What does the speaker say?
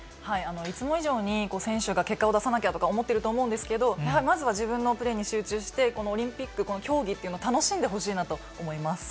いつも以上に選手が結果を出さなきゃとか思ってると思うんですけど、まずは自分のプレーに集中して、このオリンピック競技というのを楽しんでほしいなと思い